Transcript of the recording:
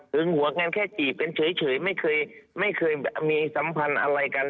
หึงหวกันแค่จีบกันเฉยไม่เคยมีสัมพันธ์อะไรกัน